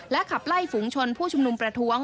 ขับไล่ฝูงชนผู้ชุมนุมประท้วง